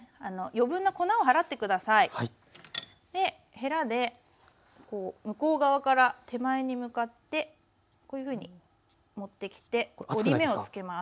へらで向こう側から手前に向かってこういうふうに持ってきて折り目をつけます。